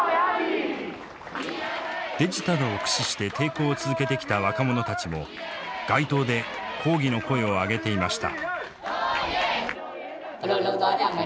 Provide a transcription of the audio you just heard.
デジタルを駆使して抵抗を続けてきた若者たちも街頭で抗議の声を上げていました。